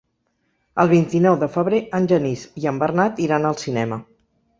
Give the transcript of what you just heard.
El vint-i-nou de febrer en Genís i en Bernat iran al cinema.